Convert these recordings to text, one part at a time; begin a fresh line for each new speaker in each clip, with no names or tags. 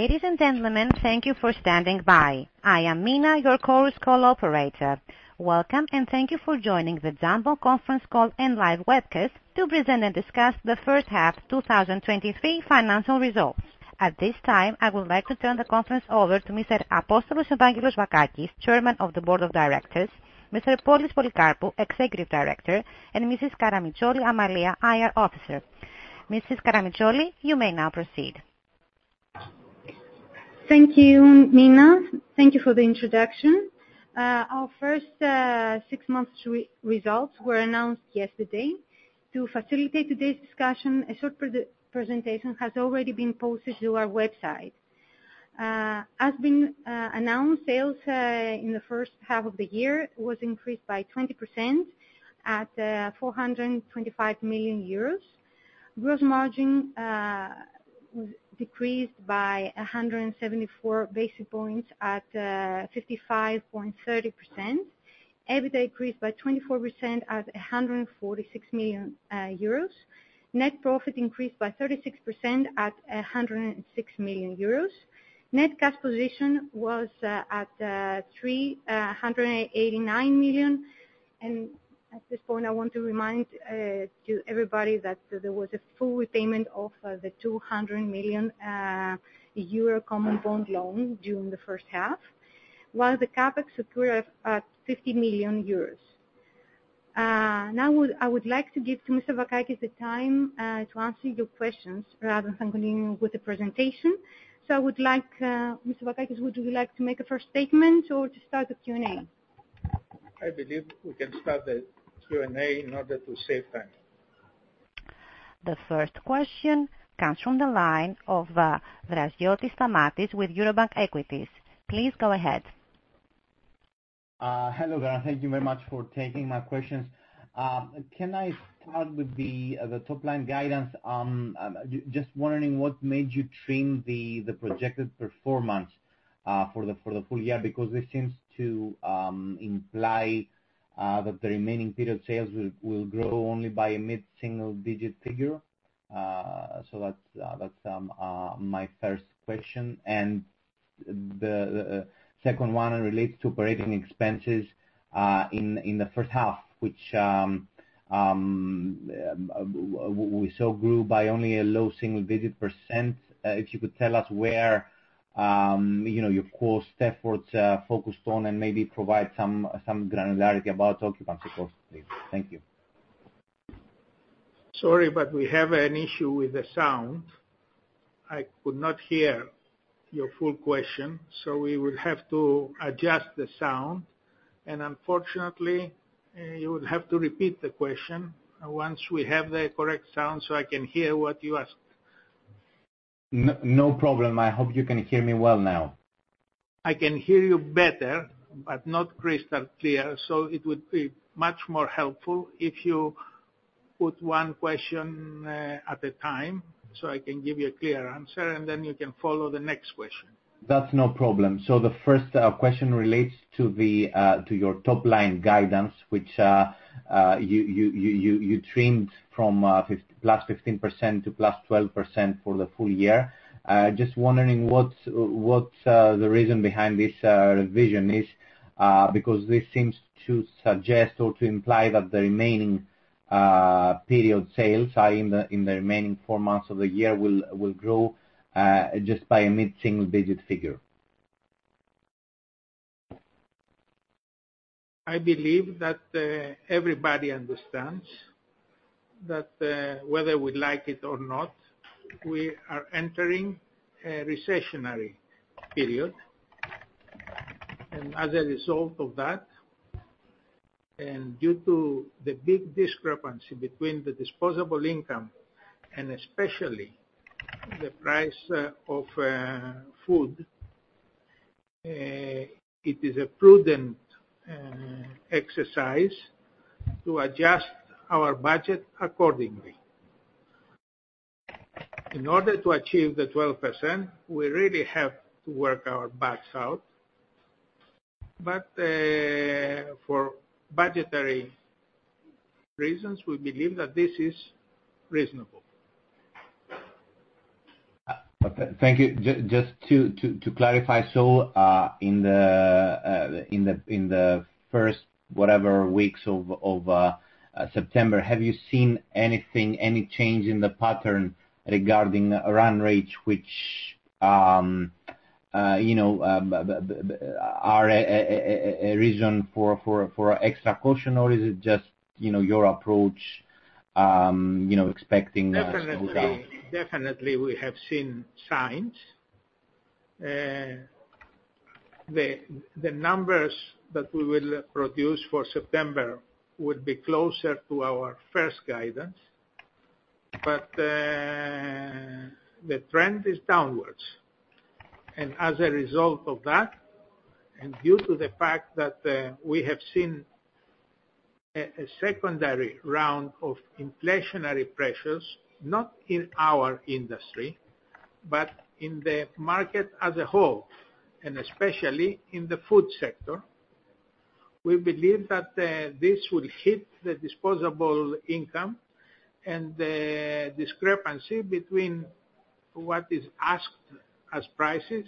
Ladies and gentlemen, thank you for standing by. I am Mina, your Chorus Call operator. Welcome, and thank you for joining the Jumbo conference call and live webcast to present and discuss the first half 2023 financial results. At this time, I would like to turn the conference over to Mr. Apostolos-Evangelos Vakakis, Chairman of the Board of Directors, Mr. Polys Polycarpou, Executive Director, and Mrs. Amalia Karamitsoli, IR Officer. Mrs. Amalia Karamitsoli, you may now proceed.
Thank you, Mina. Thank you for the introduction. Our first six months results were announced yesterday. To facilitate today's discussion, a short presentation has already been posted to our website. As has been announced, sales in the first half of the year was increased by 20% at 425 million euros. Gross margin was decreased by 174 basis points at 55.30%. EBITDA increased by 24% at 146 million euros. Net profit increased by 36% at 106 million euros. Net cash position was at 389 million. At this point, I want to remind to everybody that there was a full repayment of the 200 million euro common bond loan during the first half, while the CapEx secured at 50 million euros. Now I would like to give to Mr. Vakakis the time to answer your questions rather than continuing with the presentation. I would like, Mr. Vakakis, would you like to make a first statement or to start the Q&A?
I believe we can start the Q&A in order to save time.
The first question comes from the line of Stamatios Draziotis with Eurobank Equities. Please go ahead.
Hello there. Thank you very much for taking my questions. Can I start with the top line guidance? Just wondering what made you trim the projected performance for the full year? Because this seems to imply that the remaining period sales will grow only by a mid-single digit figure. So that's my first question. And the second one relates to operating expenses in the first half, which we saw grew by only a low single digit %. If you could tell us where your cost efforts are focused on, and maybe provide some granularity about occupancy costs, please. Thank you.
Sorry, but we have an issue with the sound. I could not hear your full question, so we will have to adjust the sound, and unfortunately, you will have to repeat the question once we have the correct sound so I can hear what you asked.
No problem. I hope you can hear me well now.
I can hear you better, but not crystal clear, so it would be much more helpful if you put one question at a time so I can give you a clear answer, and then you can follow the next question.
No problem. The first question relates to your top-line guidance, which you trimmed from +15% -+12% for the full year. Just wondering what the reason behind this revision is, because this seems to suggest or to imply that the remaining period sales in the remaining four months of the year will grow just by a mid-single digit figure.
I believe that, everybody understands that, whether we like it or not, we are entering a recessionary period. And as a result of that, and due to the big discrepancy between the disposable income and especially the price, of, food, it is a prudent, exercise to adjust our budget accordingly. In order to achieve the 12%, we really have to work our butts out, but, for budgetary reasons, we believe that this is reasonable.
Okay. Thank you. Just to clarify, so in the first whatever weeks of September, have you seen anything, any change in the pattern regarding run rate, which you know are a reason for extra caution, or is it just you know your approach you know expecting slow down?
Definitely, definitely we have seen signs. The numbers that we will produce for September would be closer to our first guidance, but the trend is downwards. As a result of that, and due to the fact that we have seen a secondary round of inflationary pressures, not in our industry, but in the market as a whole, and especially in the food sector. We believe that this will hit the disposable income and the discrepancy between what is asked as prices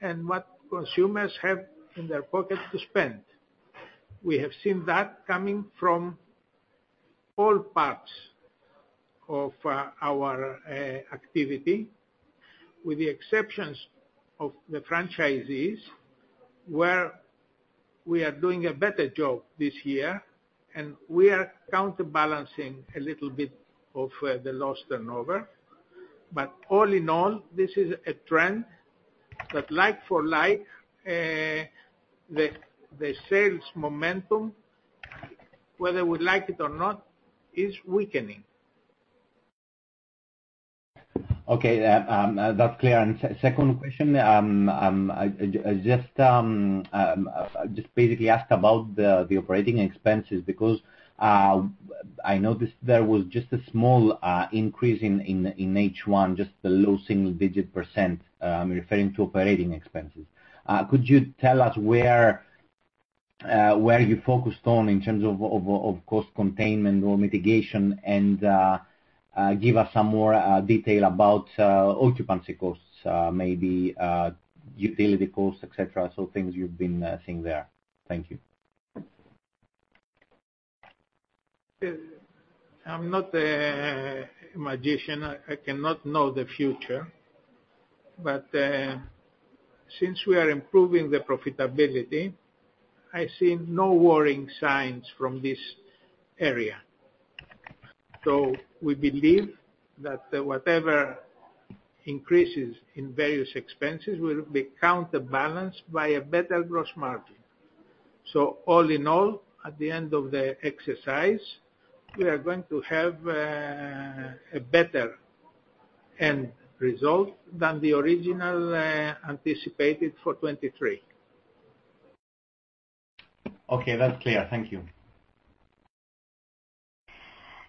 and what consumers have in their pockets to spend. We have seen that coming from all parts of our activity, with the exceptions of the franchisees, where we are doing a better job this year, and we are counterbalancing a little bit of the lost turnover. But all in all, this is a trend that like-for-like, the sales momentum, whether we like it or not, is weakening.
Okay, that's clear. Second question, I just basically ask about the operating expenses, because I noticed there was just a small increase in H1, just a low single digit %, referring to operating expenses. Could you tell us where you focused on in terms of cost containment or mitigation, and give us some more detail about occupancy costs, maybe utility costs, et cetera. Things you've been seeing there. Thank you.
I'm not a magician. I cannot know the future. But since we are improving the profitability, I see no worrying signs from this area. So we believe that whatever increases in various expenses will be counterbalanced by a better gross margin. So all in all, at the end of the exercise, we are going to have a better end result than the original anticipated for 2023.
Okay, that's clear. Thank you.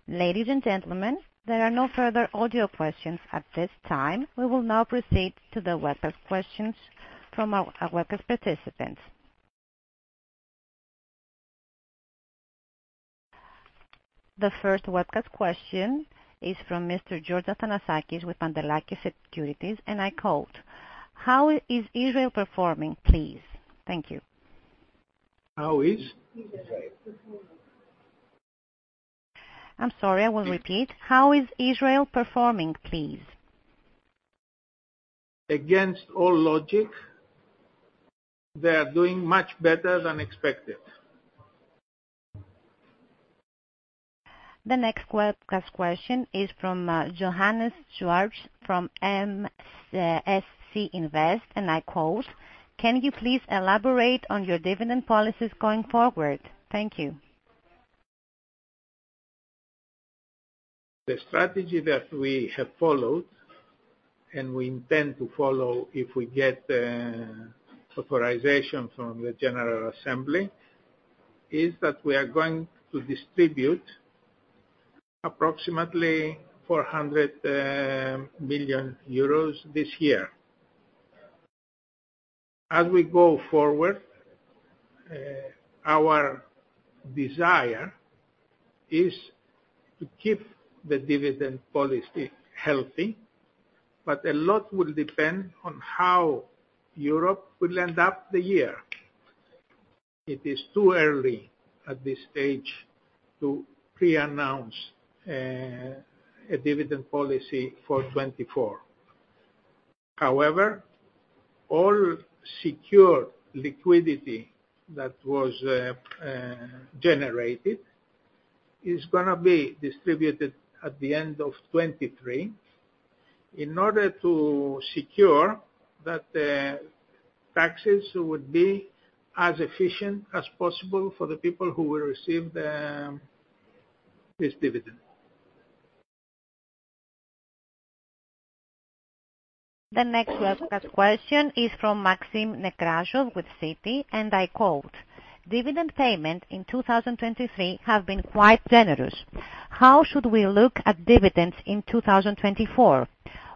Ladies and gentlemen, there are no further audio questions at this time. We will now proceed to the webcast questions from our webcast participants. The first webcast question is from Mr. George Athanasakis, with Pantelakis Securities, and I quote: "How is Israel performing, please? Thank you.
How is?
I'm sorry, I will repeat. How is Israel performing, please?
Against all logic, they are doing much better than expected.
The next webcast question is from Johannes Schwartz, from MSC Invest, and I quote: "Can you please elaborate on your dividend policies going forward? Thank you.
The strategy that we have followed, and we intend to follow if we get authorization from the General Assembly, is that we are going to distribute approximately EUR 400 million this year. As we go forward, our desire is to keep the dividend policy healthy, but a lot will depend on how Europe will end up the year. It is too early at this stage to pre-announce a dividend policy for 2024. However, all secure liquidity that was generated is gonna be distributed at the end of 2023, in order to secure that the taxes would be as efficient as possible for the people who will receive this dividend.
The next webcast question is from Maxim Nekrasov, with Citi, and I quote: "Dividend payment in 2023 have been quite generous. How should we look at dividends in 2024?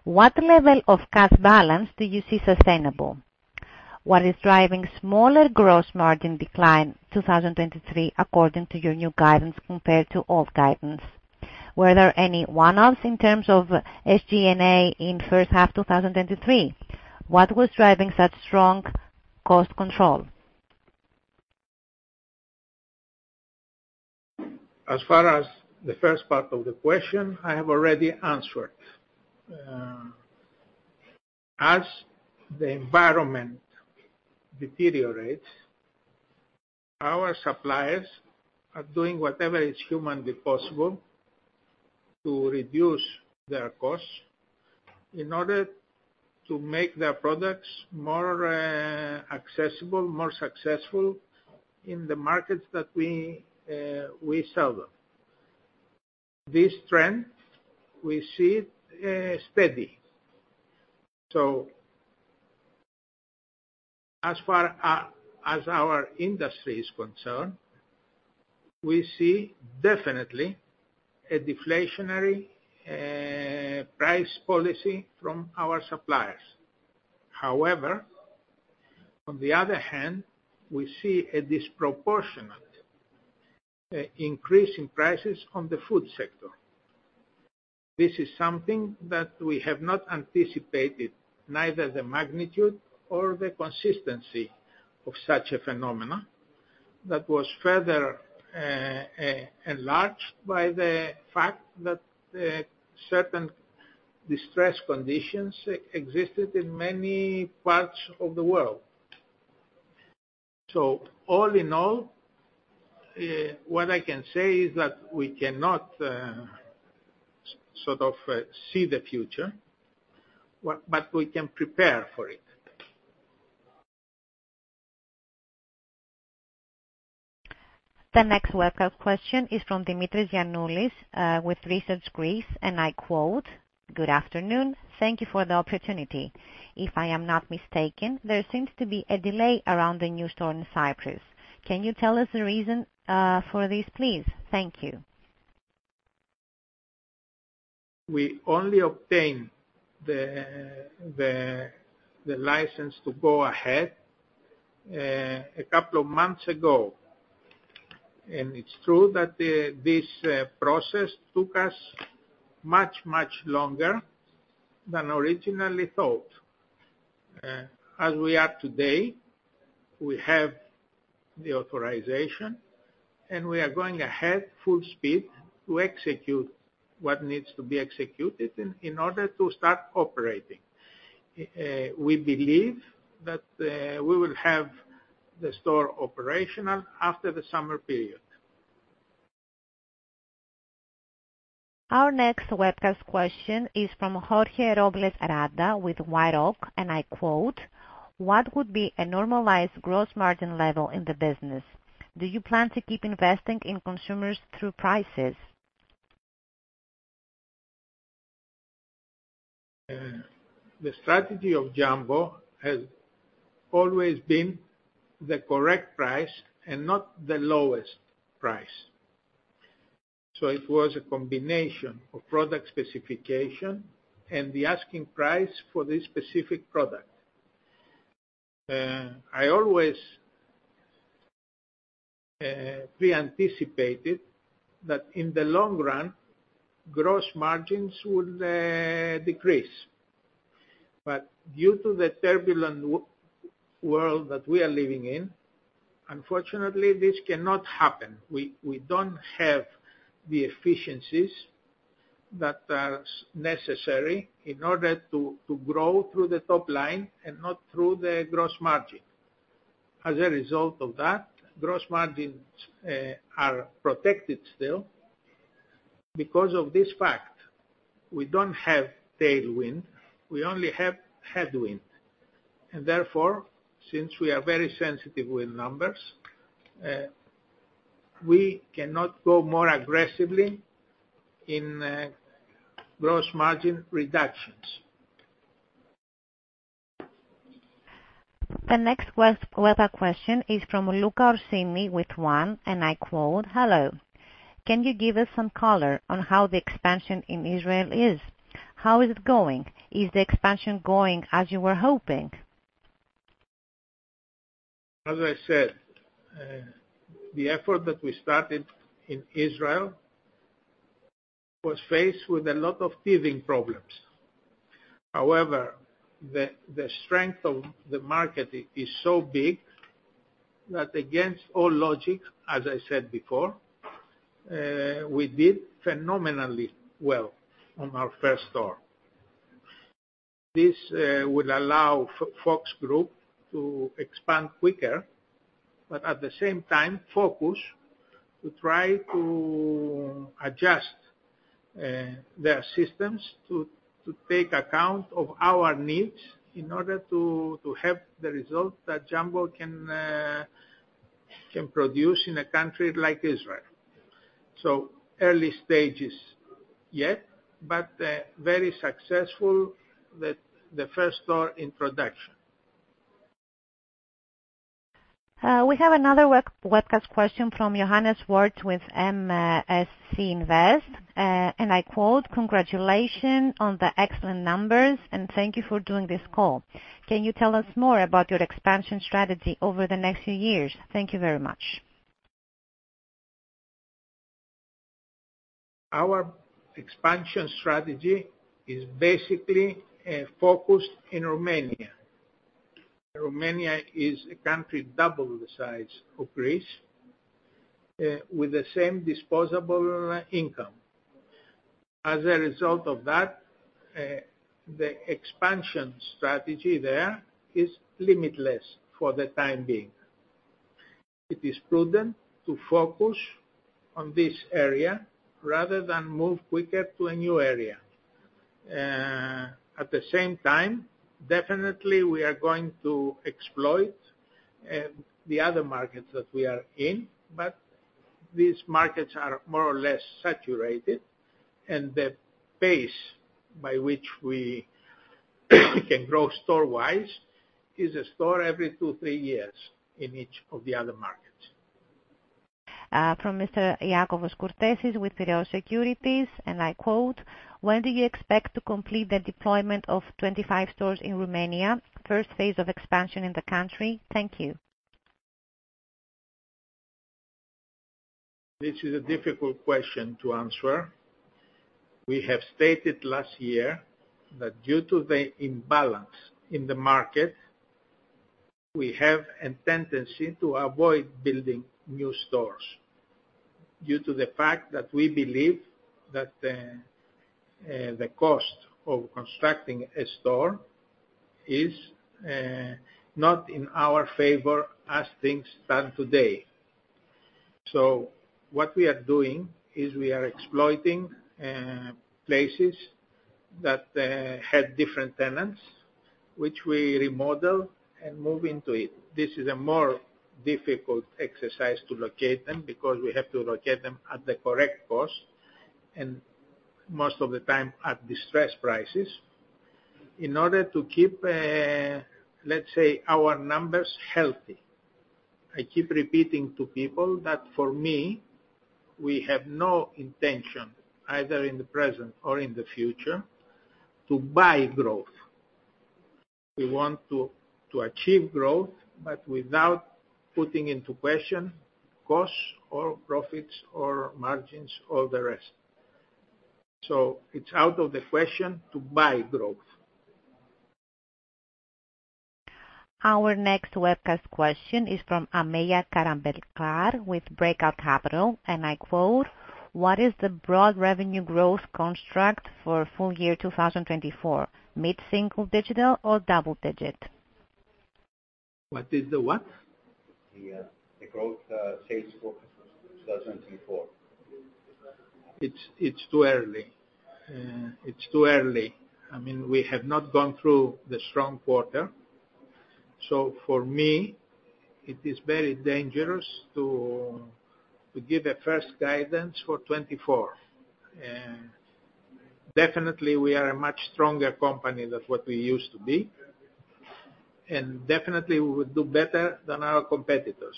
What level of cash balance do you see sustainable? What is driving smaller gross margin decline 2023, according to your new guidance compared to old guidance? Were there any one-offs in terms of SG&A in first half of 2023? What was driving such strong cost control?
As far as the first part of the question, I have already answered. As the environment deteriorates, our suppliers are doing whatever is humanly possible to reduce their costs in order to make their products more accessible, more successful in the markets that we we sell them. This trend, we see it steady. So as far as our industry is concerned we see definitely a deflationary price policy from our suppliers. However, on the other hand, we see a disproportionate increase in prices on the food sector. This is something that we have not anticipated, neither the magnitude or the consistency of such a phenomena, that was further enlarged by the fact that certain distressed conditions existed in many parts of the world. All in all, what I can say is that we cannot sort of see the future, but, but we can prepare for it.
The next webcast question is from Dimitri Giannoulis with ResearchGreece, and I quote: "Good afternoon, thank you for the opportunity. If I am not mistaken, there seems to be a delay around the new store in Cyprus. Can you tell us the reason for this, please? Thank you.
We only obtained the license to go ahead a couple of months ago. It's true that this process took us much longer than originally thought. As we are today, we have the authorization, and we are going ahead full speed to execute what needs to be executed in order to start operating. We believe that we will have the store operational after the summer period.
Our next webcast question is from Jorge Robles Rada, with White Oak, and I quote: "What would be a normalized gross margin level in the business? Do you plan to keep investing in consumers through prices?
The strategy of Jumbo has always been the correct price and not the lowest price. So it was a combination of product specification and the asking price for this specific product. I always pre-anticipated that in the long run, gross margins would decrease. But due to the turbulent world that we are living in, unfortunately, this cannot happen. We don't have the efficiencies that are necessary in order to grow through the top line and not through the gross margin. As a result of that, gross margins are protected still. Because of this fact, we don't have tailwind, we only have headwind, and therefore, since we are very sensitive with numbers, we cannot go more aggressively in gross margin reductions.
The next webcast question is from Luca Orsini, with One, and I quote: "Hello. Can you give us some color on how the expansion in Israel is? How is it going? Is the expansion going as you were hoping?
As I said, the effort that we started in Israel was faced with a lot of teething problems. However, the strength of the market is so big, that against all logic, as I said before, we did phenomenally well on our first store. This will allow Fox Group to expand quicker, but at the same time, focus to try to adjust their systems to take account of our needs in order to have the result that Jumbo can produce in a country like Israel. So early stages yet, but very successful the first store in production.
We have another webcast question from Johannes Schwartz with MSC Invest, and I quote: "Congratulations on the excellent numbers, and thank you for doing this call. Can you tell us more about your expansion strategy over the next few years? Thank you very much.
Our expansion strategy is basically focused in Romania. Romania is a country double the size of Greece with the same disposable income. As a result of that, the expansion strategy there is limitless for the time being. It is prudent to focus on this area rather than move quicker to a new area. At the same time, definitely we are going to exploit the other markets that we are in, but these markets are more or less saturated, and the pace by which we can grow store-wise is a store every two, three years in each of the other markets.
From Mr. Iakovos Kourtesis with Piraeus Securities, and I quote: "When do you expect to complete the deployment of 25 stores in Romania, first phase of expansion in the country? Thank you.
This is a difficult question to answer. We have stated last year that due to the imbalance in the market, we have a tendency to avoid building new stores due to the fact that we believe that the cost of constructing a store is not in our favor as things stand today. So what we are doing is we are exploiting places that have different tenants, which we remodel and move into it. This is a more difficult exercise to locate them, because we have to locate them at the correct cost, and most of the time at distressed prices, in order to keep let's say, our numbers healthy. I keep repeating to people that for me, we have no intention, either in the present or in the future, to buy growth. We want to achieve growth, but without putting into question costs or profits or margins, all the rest. So it's out of the question to buy growth.
Our next webcast question is from Ameya Karambelkar with Breakout Capital, and I quote: "What is the broad revenue growth construct for full year 2024? Mid-single digit or double digit?
What is the what?
The growth sales for 2024.
It's, it's too early. It's too early. I mean, we have not gone through the strong quarter. So for me, it is very dangerous to give a first guidance for 2024. Definitely we are a much stronger company than what we used to be. And definitely we would do better than our competitors,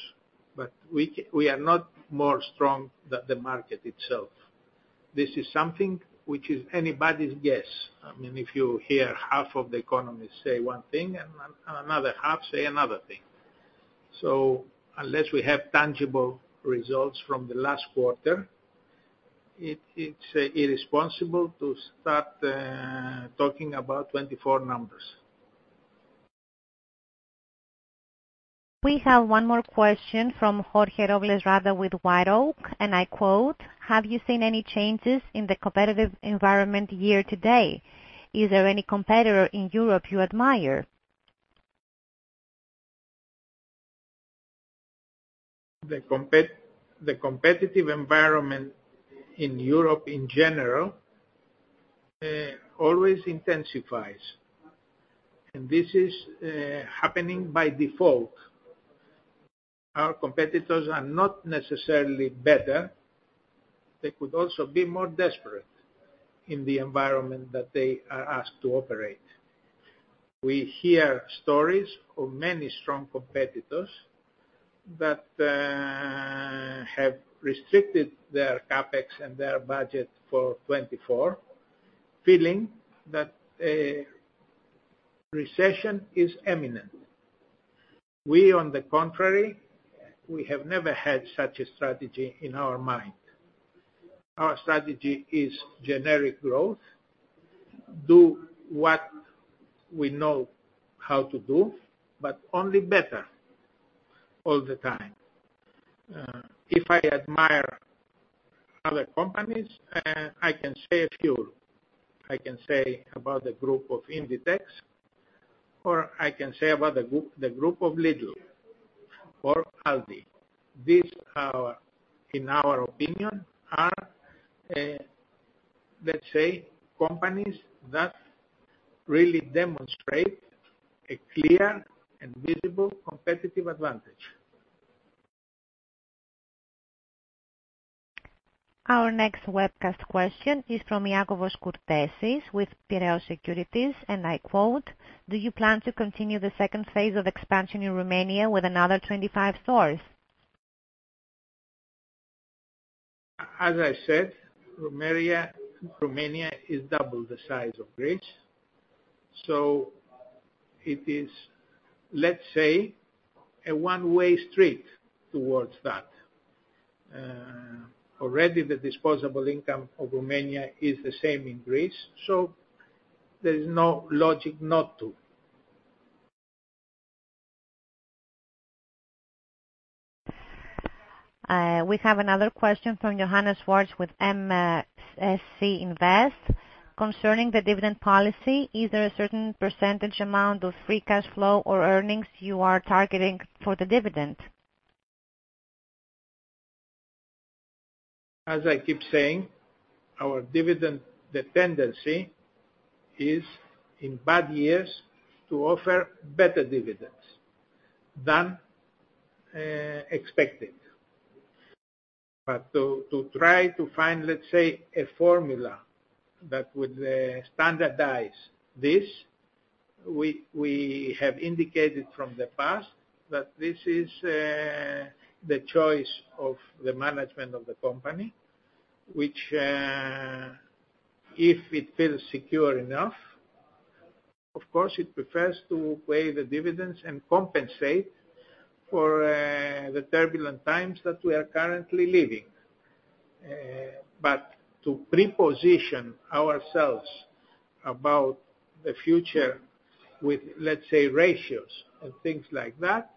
but we are not more strong than the market itself. This is something which is anybody's guess. I mean, if you hear half of the economists say one thing and another half say another thing. So unless we have tangible results from the last quarter, it's irresponsible to start talking about 2024 numbers.
We have one more question from Jorge Robles Rada with White Oak, and I quote: "Have you seen any changes in the competitive environment year to date? Is there any competitor in Europe you admire?
The competitive environment in Europe, in general, always intensifies, and this is happening by default. Our competitors are not necessarily better. They could also be more desperate in the environment that they are asked to operate. We hear stories of many strong competitors that have restricted their CapEx and their budget for 2024, feeling that a recession is imminent. We, on the contrary, we have never had such a strategy in our mind. Our strategy is generic growth. Do what we know how to do, but only better all the time. If I admire other companies, I can say a few. I can say about the group of Inditex, or I can say about the group of Lidl or Aldi. These, our... In our opinion, are, let's say, companies that really demonstrate a clear and visible competitive advantage.
Our next webcast question is from Iakovos Kourtesis with Piraeus Securities, and I quote: "Do you plan to continue the second phase of expansion in Romania with another 25 stores?
As I said, Romania, Romania is double the size of Greece, so it is, let's say, a one-way street towards that. Already the disposable income of Romania is the same in Greece, so there is no logic not to.
We have another question from Johannes Schwartz with MSC Invest: concerning the dividend policy, is there a certain percentage amount of free cash flow or earnings you are targeting for the dividend?
As I keep saying, our dividend dependency is, in bad years, to offer better dividends than expected. But to try to find, let's say, a formula that would standardize this, we have indicated from the past that this is the choice of the management of the company, which, if it feels secure enough, of course, it prefers to pay the dividends and compensate for the turbulent times that we are currently living. But to pre-position ourselves about the future with, let's say, ratios and things like that,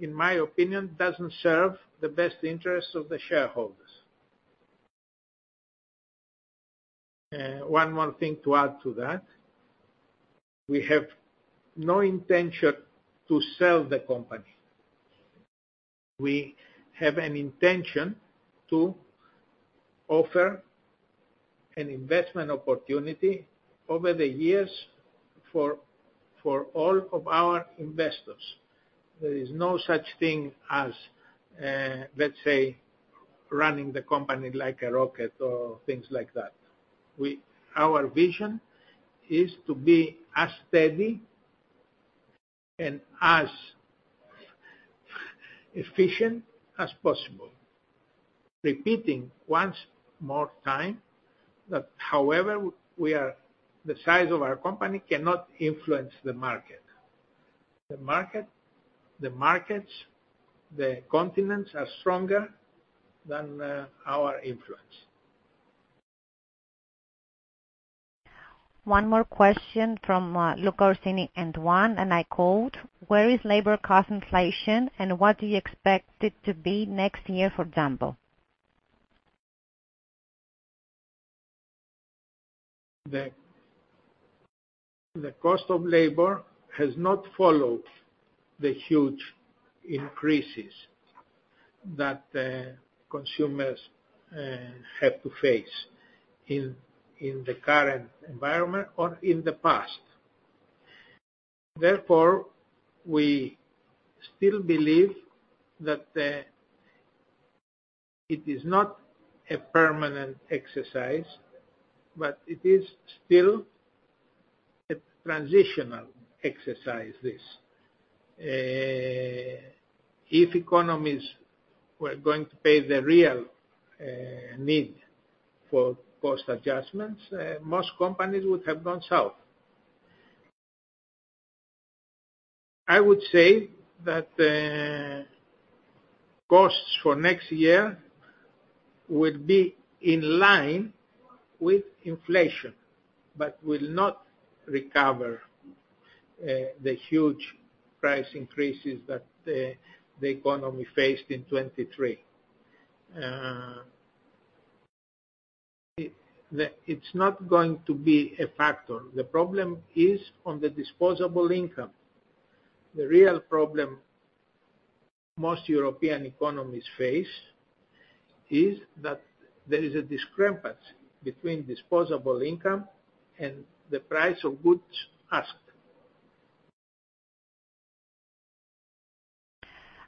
in my opinion, doesn't serve the best interests of the shareholders. One more thing to add to that, we have no intention to sell the company. We have an intention to offer an investment opportunity over the years for all of our investors. There is no such thing as, let's say, running the company like a rocket or things like that. Our vision is to be as steady and as efficient as possible. Repeating once more time, that however, we are... the size of our company cannot influence the market. The market, the markets, the continents are stronger than our influence.
One more question from Luca Orsini, and I quote: "Where is labor cost inflation, and what do you expect it to be next year, for example?
The cost of labor has not followed the huge increases that consumers have to face in the current environment or in the past. Therefore, we still believe that it is not a permanent exercise, but it is still a transitional exercise, this. If economies were going to pay the real need for cost adjustments, most companies would have gone south. I would say that costs for next year will be in line with inflation, but will not recover the huge price increases that the economy faced in 2023. It's not going to be a factor. The problem is on the disposable income. The real problem most European economies face is that there is a discrepancy between disposable income and the price of goods asked.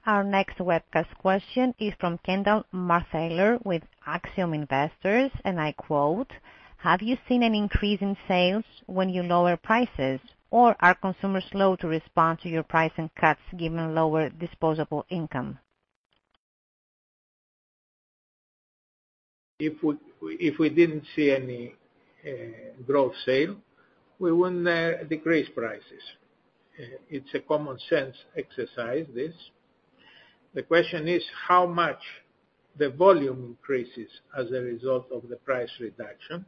Our next webcast question is from Kendall Marthaler with Axiom Investors, and I quote, "Have you seen an increase in sales when you lower prices? Or are consumers slow to respond to your pricing cuts given lower disposable income?
If we didn't see any growth sale, we wouldn't decrease prices. It's a common sense exercise, this. The question is, how much the volume increases as a result of the price reduction?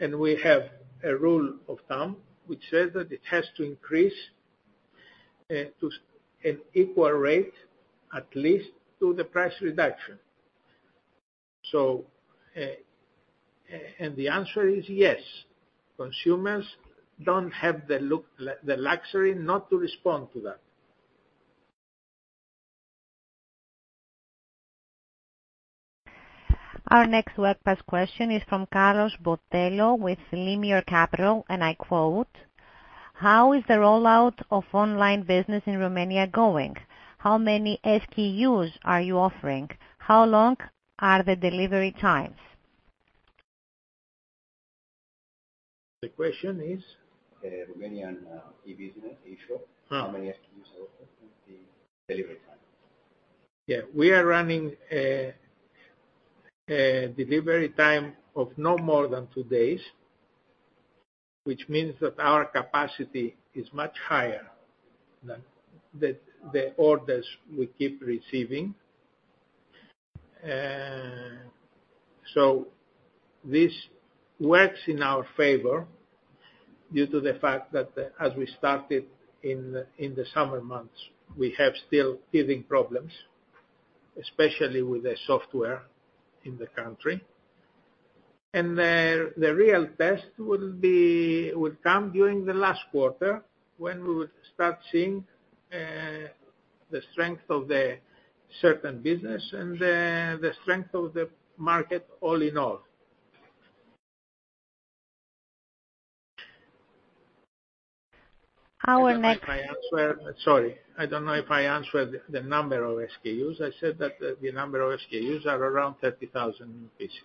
And we have a rule of thumb, which says that it has to increase to an equal rate, at least, to the price reduction. So, the answer is yes. Consumers don't have the luxury not to respond to that.
Our next webcast question is from Carlos Botelho, with Limiar Capital, and I quote, "How is the rollout of online business in Romania going? How many SKUs are you offering? How long are the delivery times?
The question is?
Romanian, e-business, e-shop.
Ah.
How many SKUs are offered, and the delivery time?
Yeah, we are running a delivery time of no more than two days, which means that our capacity is much higher than the orders we keep receiving. So this works in our favor due to the fact that as we started in the summer months, we have still giving problems, especially with the software in the country. The real test will come during the last quarter, when we would start seeing the strength of the certain business and the strength of the market, all in all. ...
Our next-
I answer, sorry, I don't know if I answered the number of SKUs. I said that the number of SKUs are around 30,000 pieces.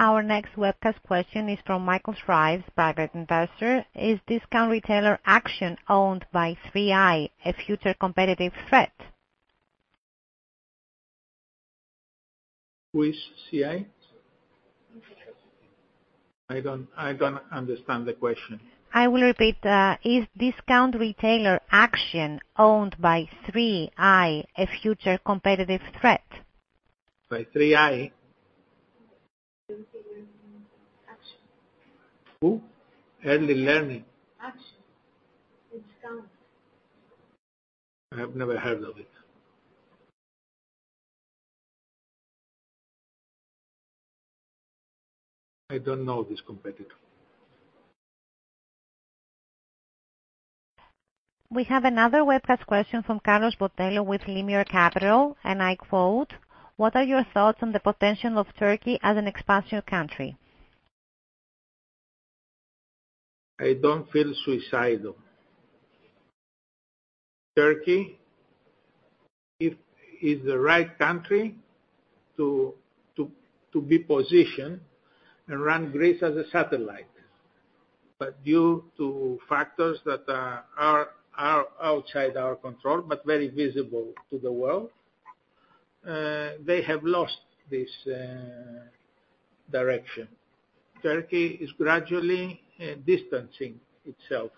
Our next webcast question is from Michael Shrives, private investor: "Is discount retailer Action, owned by 3i, a future competitive threat?
Which CI? I don't, I don't understand the question.
I will repeat, "Is discount retailer Action, owned by 3i, a future competitive threat?
By 3i?
Action.
Who? Early Learning.
Action. Discount.
I have never heard of it. I don't know this competitor.
We have another webcast question from Carlos Botelho, with Limiar Capital, and I quote: "What are your thoughts on the potential of Turkey as an expansion country?
I don't feel suicidal. Turkey is the right country to be positioned and run Greece as a satellite. But due to factors that are outside our control, but very visible to the world, they have lost this direction. Turkey is gradually distancing itself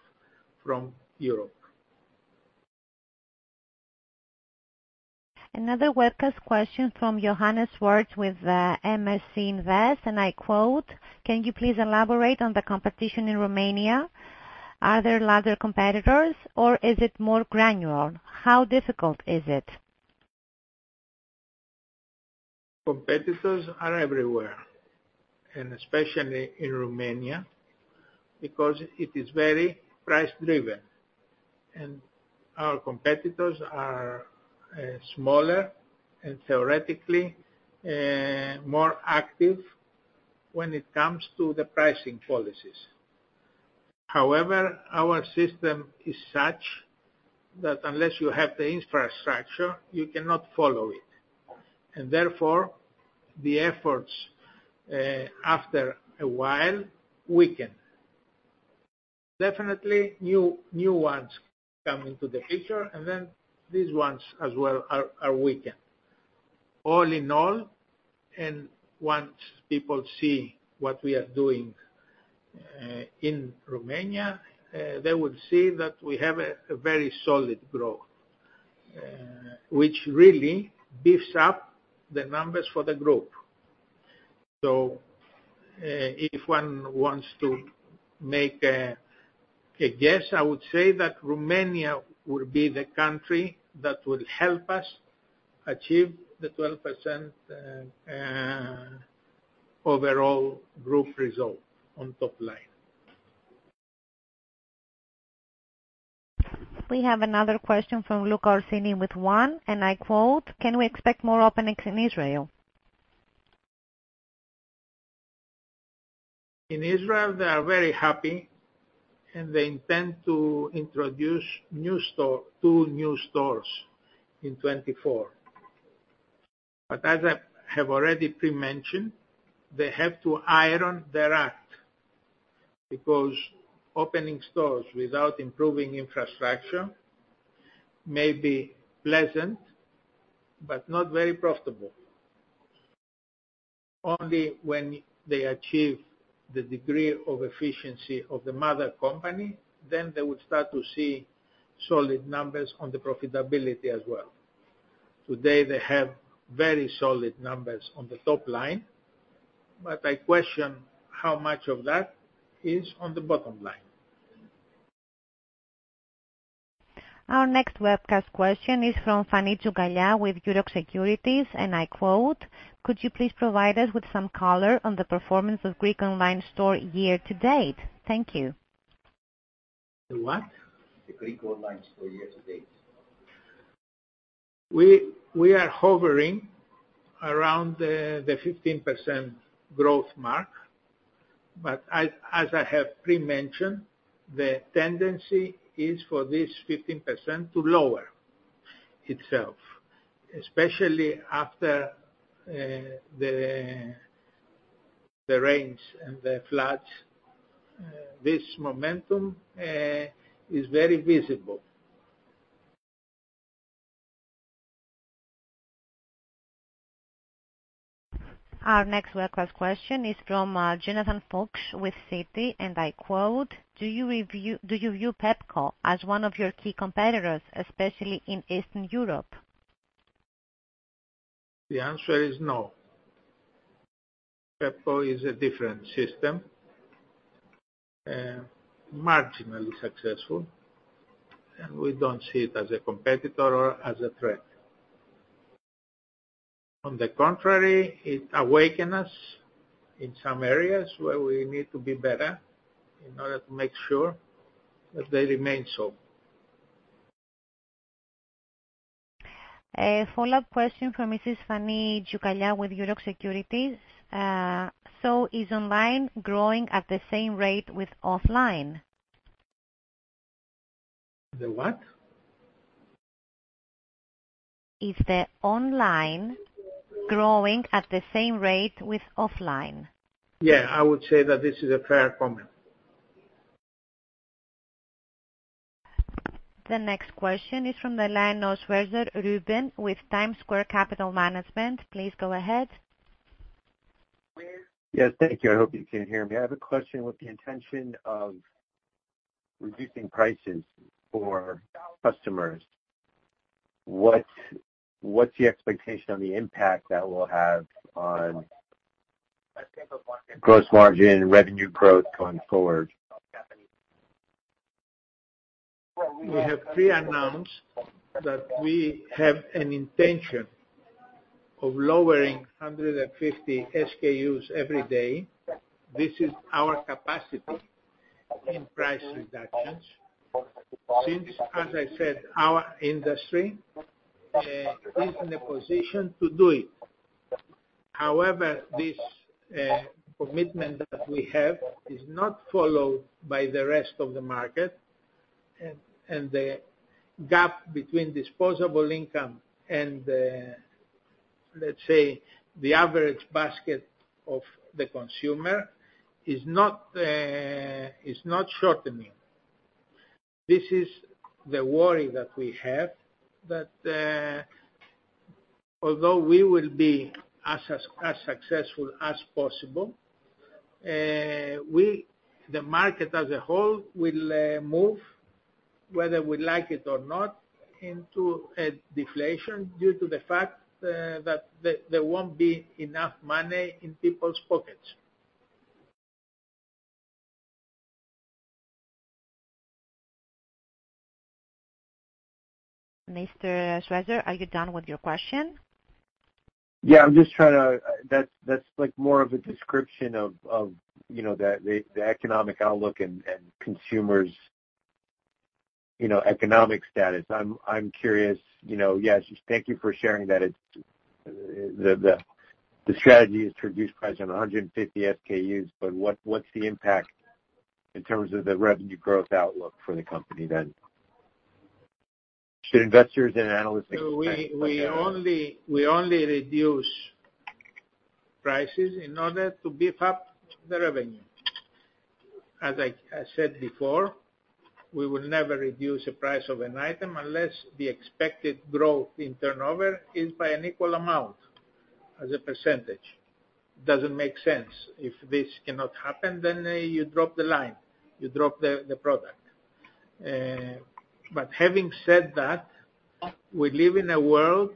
from Europe.
Another webcast question from Johannes Schwartz, with MSC Invest, and I quote: "Can you please elaborate on the competition in Romania? Are there larger competitors, or is it more granular? How difficult is it?
Competitors are everywhere, and especially in Romania, because it is very price driven, and our competitors are smaller and theoretically more active when it comes to the pricing policies. However, our system is such that unless you have the infrastructure, you cannot follow it, and therefore, the efforts after a while weaken. Definitely, new ones come into the picture, and then these ones as well are weakened. All in all, and once people see what we are doing in Romania, they will see that we have a very solid growth which really beefs up the numbers for the group. So, if one wants to make a guess, I would say that Romania will be the country that will help us achieve the 12% overall group result on top line.
We have another question from Luca Orsini, with One, and I quote: "Can we expect more openings in Israel?
In Israel, they are very happy, and they intend to introduce new store... two new stores in 2024. But as I have already pre-mentioned, they have to iron their act, because opening stores without improving infrastructure may be pleasant, but not very profitable. Only when they achieve the degree of efficiency of the mother company, then they will start to see solid numbers on the profitability as well. Today, they have very solid numbers on the top line, but I question how much of that is on the bottom line.
Our next webcast question is from Fani Tzioukalia, with Euroxx Securities, and I quote: "Could you please provide us with some color on the performance of Greek online store, year to date? Thank you.
The what?
The Greek online store, year to date.
We are hovering around the 15% growth mark, but as I have pre-mentioned, the tendency is for this 15% to lower itself, especially after the rains and the floods. This momentum is very visible.
Our next webcast question is from Jonathan Fuchs, with Citi, and I quote: "Do you view Pepco as one of your key competitors, especially in Eastern Europe?
The answer is no. Pepco is a different system, marginally successful, and we don't see it as a competitor or as a threat. On the contrary, it awaken us in some areas where we need to be better in order to make sure that they remain so.
...A follow-up question from Mrs. Fani Tzioukalia with Euroxx Securities. So is online growing at the same rate with offline?
The what?
Is the online growing at the same rate with offline?
Yeah, I would say that this is a fair comment.
The next question is from the line, Reuben Scherzer with TimesSquare Capital Management. Please go ahead.
Yes, thank you. I hope you can hear me. I have a question with the intention of reducing prices for customers, what's the expectation on the impact that will have on gross margin and revenue growth going forward?
We have pre-announced that we have an intention of lowering 150 SKUs every day. This is our capacity in price reductions. Since, as I said, our industry is in a position to do it. However, this commitment that we have is not followed by the rest of the market, and the gap between disposable income and the, let's say, the average basket of the consumer is not shortening. This is the worry that we have, that although we will be as successful as possible, we—the market as a whole will move, whether we like it or not, into a deflation due to the fact that there won't be enough money in people's pockets.
Mr. Scherzer, are you done with your question?
Yeah, I'm just trying to... That's like more of a description of, you know, the economic outlook and consumers, you know, economic status. I'm curious, you know, yes, thank you for sharing that. It's the strategy is to reduce price on 150 SKUs, but what's the impact in terms of the revenue growth outlook for the company then? Should investors and analysts expect-
So we, we only reduce prices in order to beef up the revenue. As I, I said before, we will never reduce the price of an item unless the expected growth in turnover is by an equal amount as a percentage. Doesn't make sense. If this cannot happen, then, you drop the line, you drop the, the product. But having said that, we live in a world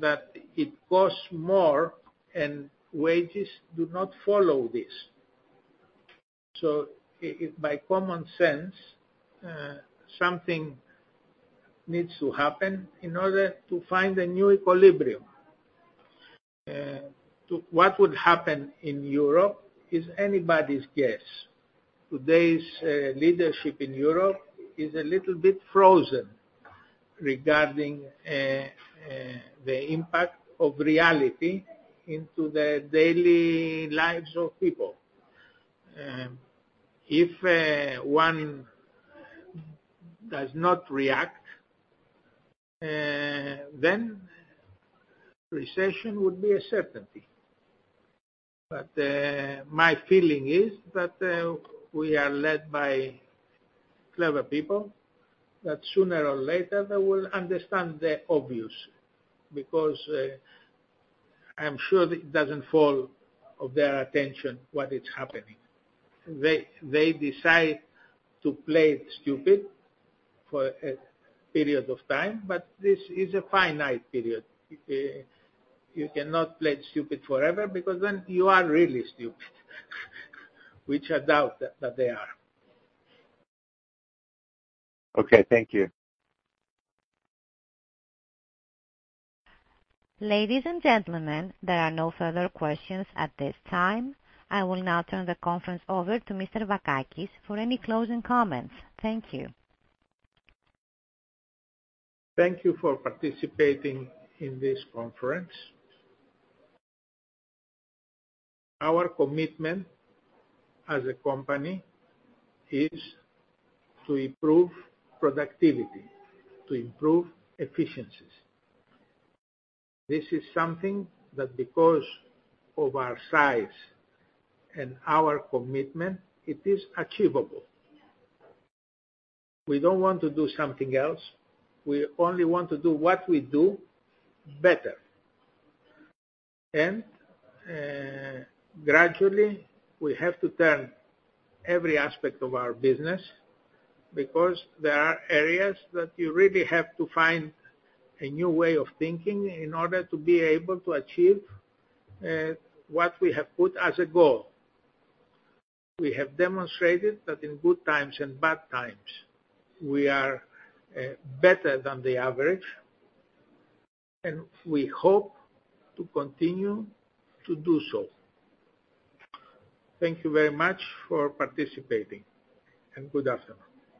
that it costs more, and wages do not follow this. So by common sense, something needs to happen in order to find a new equilibrium. To what would happen in Europe is anybody's guess. Today's leadership in Europe is a little bit frozen regarding, the impact of reality into the daily lives of people. If one does not react, then recession would be a certainty. But my feeling is that we are led by clever people, that sooner or later they will understand the obvious. Because I'm sure it doesn't fall off their attention, what is happening. They decide to play stupid for a period of time, but this is a finite period. You cannot play stupid forever because then you are really stupid, which I doubt that they are.
Okay, thank you.
Ladies and gentlemen, there are no further questions at this time. I will now turn the conference over to Mr. Vakakis for any closing comments. Thank you.
Thank you for participating in this conference. Our commitment as a company is to improve productivity, to improve efficiencies. This is something that because of our size and our commitment, it is achievable. We don't want to do something else, we only want to do what we do better. And, gradually, we have to turn every aspect of our business, because there are areas that you really have to find a new way of thinking in order to be able to achieve, what we have put as a goal. We have demonstrated that in good times and bad times, we are, better than the average, and we hope to continue to do so. Thank you very much for participating, and good afternoon.